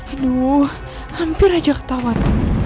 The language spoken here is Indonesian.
aduh hampir aja ketahuan